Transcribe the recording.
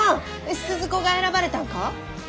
鈴子が選ばれたんか！？